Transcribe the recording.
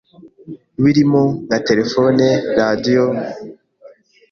birimo nka Telefoni, Radio,